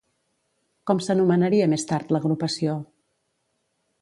Com s'anomenaria més tard l'agrupació?